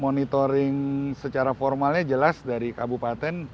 monitoring secara formalnya jelas dari kabupaten